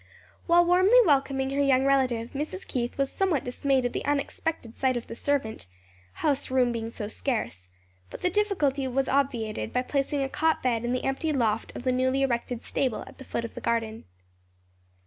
While warmly welcoming her young relative, Mrs. Keith was somewhat dismayed at the unexpected sight of the servant house room being so scarce; but the difficulty was obviated by placing a cot bed in the empty loft of the newly erected stable at the foot of the garden.